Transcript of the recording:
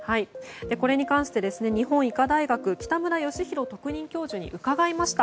これに関して、日本医科大学北村義浩特任教授に伺いました。